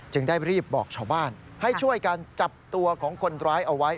ได้รีบบอกชาวบ้านให้ช่วยกันจับตัวของคนร้ายเอาไว้